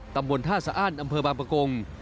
ตำบลท่าสะอ้านอำเภอบางประกง